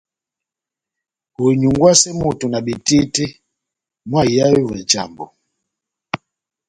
Oinyungwase moto na betete mò aihae ovè nájàmbo.